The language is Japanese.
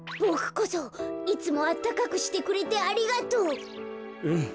ボクこそいつもあったかくしてくれてありがとう。